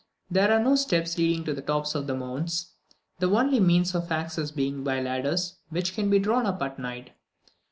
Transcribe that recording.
There are no steps leading to the tops of these mounds, the only means of access being by ladders, which can be drawn up at night.